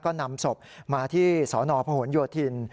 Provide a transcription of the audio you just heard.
ก็นำศพมาที่สนผ่วนหยวดถิ่น